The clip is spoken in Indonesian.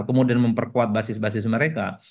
kemudian memperkuat basis basis mereka